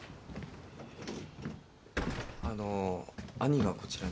あの兄がこちらに？